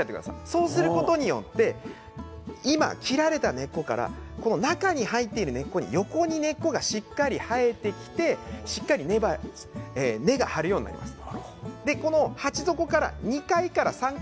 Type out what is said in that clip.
そうすることによって今切られた根っこから中に入っている根っこに横に根っこがしっかり生えてきてしっかり根っこが張るようになります、２回３回。